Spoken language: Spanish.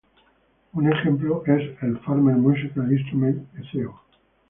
Un ejemplo es la Farmer Musical Instrument Co.